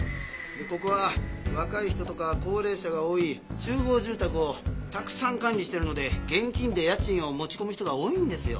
ここは若い人とか高齢者が多い集合住宅をたくさん管理してるので現金で家賃を持ち込む人が多いんですよ。